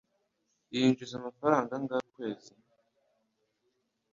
Yinjiza amafaranga angahe ukwezi?